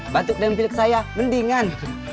batuk dan pilak saya mendingan